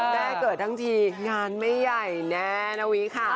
ได้เกิดทั้งทีงานไม่ใหญ่แน่นะวิค่ะ